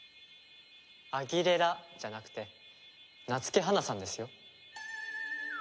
「アギレラ」じゃなくて夏木花さんですよ。